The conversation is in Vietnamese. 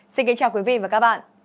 xin kính chào quý vị và các bạn